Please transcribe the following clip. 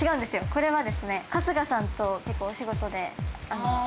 これはですね春日さんと結構お仕事で一緒に。